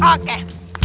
kota bikok imeri